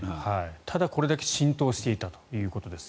ただ、これだけ浸透していたということです。